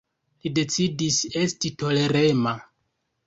Li decidis esti tolerema.